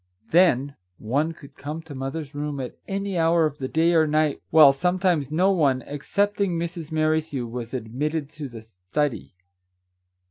Then, one could come to mother's room at any hour of the day or night, while sometimes no one, excepting Mrs. Merrithew, was admitted to the study.